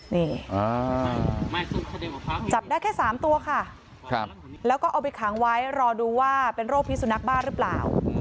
นี่จับได้แค่๓ตัวค่ะแล้วก็เอาไปขังไว้รอดูว่าเป็นโรคพิสุนักบ้าหรือเปล่า